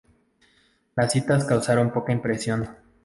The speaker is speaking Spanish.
Las citas causaron poca impresión.